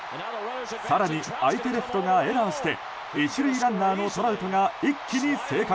更に相手レフトがエラーして１塁ランナーのトラウトが一気に生還。